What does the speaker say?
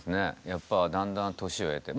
やっぱだんだん年を経て。